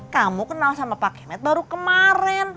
kamu kenal sama pak kemet baru kemarin